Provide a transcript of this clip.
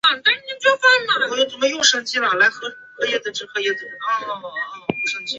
现改置开原市。